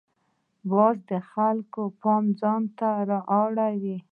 باز د خلکو پام ځان ته را اړوي